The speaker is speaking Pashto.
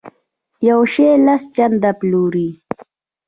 یو شی لس چنده پلوري.